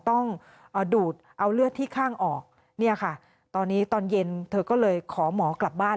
ต้องดูดเอาเลือดที่ข้างออกเนี่ยค่ะตอนนี้ตอนเย็นเธอก็เลยขอหมอกลับบ้าน